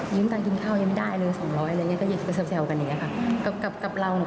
ยื้มเงียกกินข้าวยังไม่ได้เนิน๒๐๐โนเมตรอย่างนี้ก็เซ่ลกันอย่างนี้